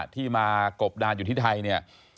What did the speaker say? ที่มากบดานอยู่ที่ไทยเนี่ย